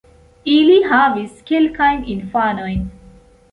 Ili havis kelkajn infanojn.